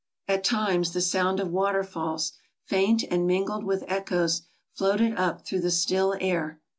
At times the sound of water falls, faint and mingled with echoes, floated up through the still air.